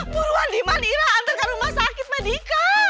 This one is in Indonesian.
buruan diman ira antar ke rumah sakit medika